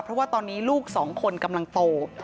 เพราะว่าตอนนี้ลูกสองคนกำลังโต